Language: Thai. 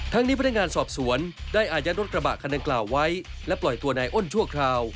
นี้พนักงานสอบสวนได้อายัดรถกระบะคันดังกล่าวไว้และปล่อยตัวนายอ้นชั่วคราว